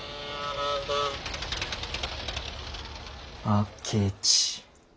あけち。